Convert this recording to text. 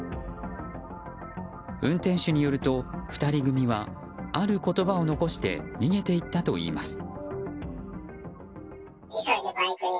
運転手によると、２人組はある言葉を残して逃げていったといいます。